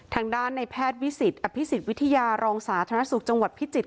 ทางด้านในแพทย์วิสิตอภิษฎวิทยารองสาธารณสุขจังหวัดพิจิตร